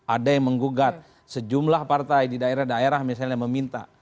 ada yang menggugat sejumlah partai di daerah daerah misalnya meminta